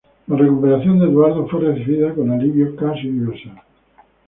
La recuperación de Eduardo fue recibida con alivio casi universal.